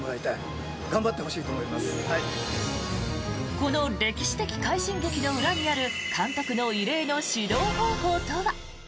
この歴史的快進撃の裏にある監督の異例の指導方法とは。